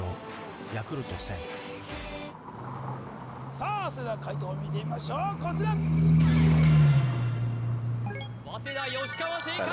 さあそれでは解答を見てみましょうこちら早稲田川正解！